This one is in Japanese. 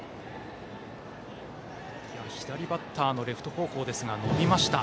左バッターのレフト方向ですが伸びました。